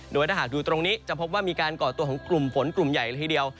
โดยถ้าหากดูตรงนี้จะพบว่ามีการก่อตัวของกลุ่มฝนกลุ่มใหญ่เลยทีเดียว